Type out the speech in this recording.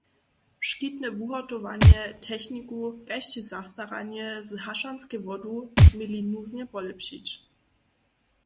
Škitne wuhotowanje, techniku kaž tež zastaranje z hašenskej wodu měli nuznje polěpšić.